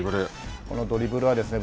このドリブルはですね